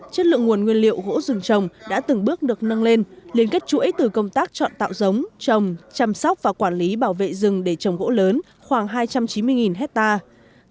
chất lượng nguồn nguyên liệu gỗ rừng trồng đã từng bước được nâng lên liên kết chuỗi từ công tác chọn tạo giống trồng chăm sóc và quản lý bảo vệ rừng để trồng gỗ lớn khoảng hai trăm chín mươi hectare